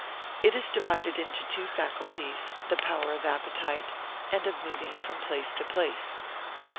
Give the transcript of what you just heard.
It is divided into two faculties, the power of appetite, and of moving from place to place.